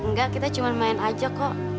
enggak kita cuma main aja kok